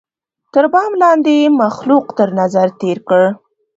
تر بام لاندي یې مخلوق تر نظر تېر کړ